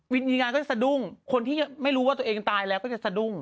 วิญญาณก็จะสะดุ้งคนที่ไม่รู้ว่าตัวเองตายแล้วก็จะสะดุ้ง